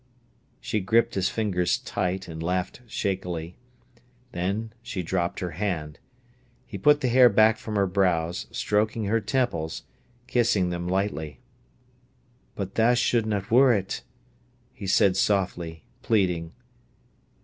She gripped his fingers tight, and laughed shakily. Then she dropped her hand. He put the hair back from her brows, stroking her temples, kissing them lightly. "But tha shouldna worrit!" he said softly, pleading.